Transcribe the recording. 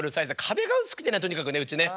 壁が薄くてねとにかくねうちね。